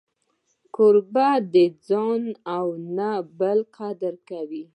کوربه د ځان و نه بل قدر کوي.